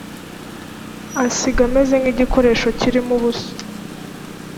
ansiga meze nk igikoresho kirimo ubusa